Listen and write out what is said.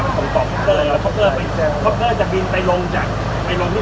เขาต้องบอกน้องเขาจะทำอย่างไรอะไรอย่างไร